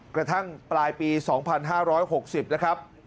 กระทั่งปลายปี๒๕๖๐นะครับ